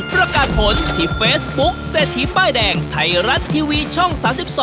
ประกาศผลที่เฟซบุ๊คเศรษฐีป้ายแดงไทยรัฐทีวีช่อง๓๒